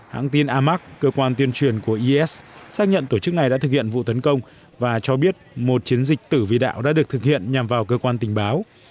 hãng tin amac cơ quan tuyên truyền của is xác nhận tổ chức này đã thực hiện vụ tấn công và cho biết một chiến dịch tử vi đạo đã được thực hiện nhằm vào cơ quan tình báo